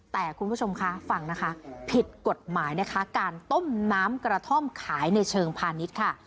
แต่คุณผู้ชมคะฟังนะคะผิดกฎหมายนะคะการต้มน้ำกระท่อมขายในเชิงพาณิชย์ค่ะ